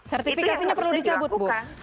sertifikasinya perlu dicabut bu